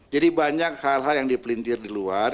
jadi banyak hal hal yang dipelintir di luar